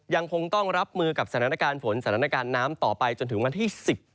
ยังคงต้องรับมือกับสถานการณ์ฝนสถานการณ์น้ำต่อไปจนถึงวันที่๑๗